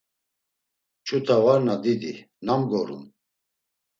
Ç̌ut̆a varna didi, nam gorum?